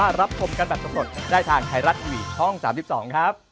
ถูกต้องครับ